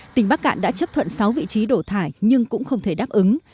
tỉnh bắc cạn đã chấp thuận sáu vị trí đổ thải nhưng cũng không thể đáp ứng